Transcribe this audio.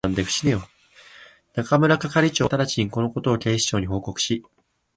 中村係長はただちに、このことを警視庁に報告し、東京全都の警察署、派出所にインド人逮捕の手配をしましたが、一日たち二日たっても、